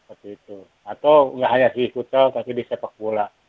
atau nggak hanya di hotel tapi di sepak bola